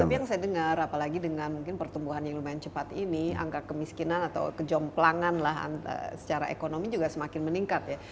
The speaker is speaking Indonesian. tapi yang saya dengar apalagi dengan mungkin pertumbuhan yang lumayan cepat ini angka kemiskinan atau kejomplangan lah secara ekonomi juga semakin meningkat ya